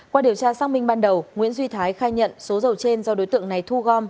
qua điều tra xác minh ban đầu nguyễn duy thái khai nhận số dầu trên do đối tượng này thu gom